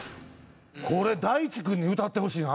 これ大知君に歌ってほしいな！